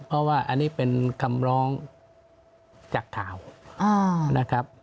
เพราะว่าอันนี้เป็นคำร้องจากข่าวนะครับ